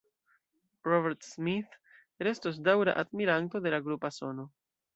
Robert Smith restos daŭra admiranto de la grupa sono.